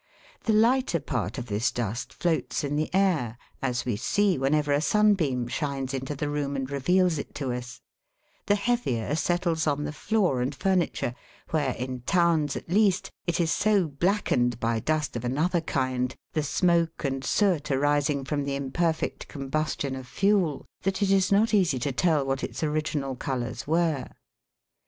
The lighter part of this dust floats in the air, as we see whenever a sunbeam shines into the room and reveals it to us; the heavier settles on the floor and furniture, where, in towns at least, it is so blackened by dust of another kind the smoke and soot arising from the imper fect combustion of fuel that it is not easy to tell what its original colours were.